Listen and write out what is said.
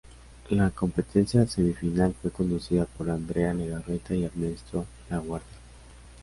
La Competencia Semifinal fue conducida por Andrea Legarreta y Ernesto Laguardia.